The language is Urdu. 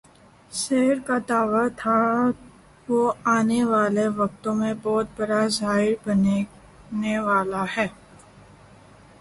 شعر کا دعویٰ تھا وہ آنے والے وقتوں میں بہت بڑا شاعر بننے والا ہے۔